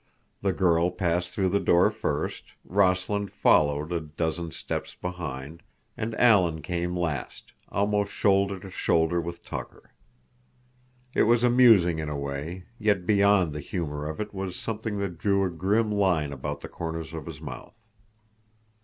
The girl passed through the door first, Rossland followed a dozen steps behind, and Alan came last, almost shoulder to shoulder with Tucker. It was amusing in a way, yet beyond the humor of it was something that drew a grim line about the corners of his mouth.